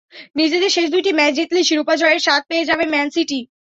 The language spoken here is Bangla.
নিজেদের শেষ দুইটি ম্যাচ জিতলেই শিরোপা জয়ের স্বাদ পেয়ে যাবে ম্যানসিটি।